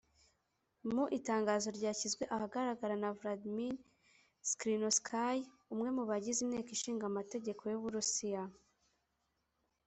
Mu itangazo ryashyizwe ahagaragara na Vladimir Zhirinovsky umwe mubagize Inteko Ishinga Amategeko y’u Burusiya